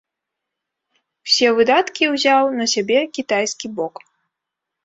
Усе выдаткі ўзяў на сябе кітайскі бок.